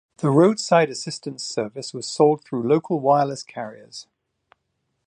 The roadside assistance service was sold through local wireless carriers.